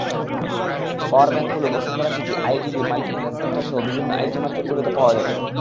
পাওয়ার ব্যাংকগুলো Bashundhara city, IDB, Multiplan সেন্টারসহ বিভিন্ন আইটি মার্কেটগুলোতে পাওয়া যাবে।